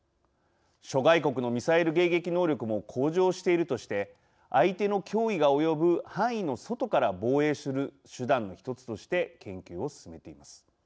「諸外国のミサイル迎撃能力も向上している」として相手の脅威が及ぶ範囲の外から防衛する手段の１つとして研究を進めています。